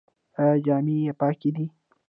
ایا جامې یې پاکې دي؟